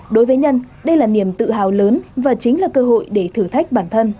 đối với nhân đây là niềm tự hào lớn và chính là cơ hội để thử thách bản thân